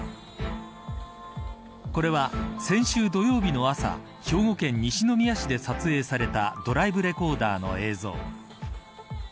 これは、先週土曜日の朝兵庫県西宮市で撮影されたドライブレコーダーの映像。